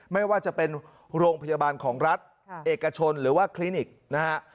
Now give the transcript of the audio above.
ไม่ว่าจะเป็นโรงพยาบาลของรัฐเอกชนหรือว่าคลินิกนะฮะ